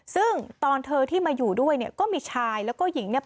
ซึ่งตอนเธอที่มาอยู่ด้วยเนี่ยก็มีชายแล้วก็หญิงเนี่ย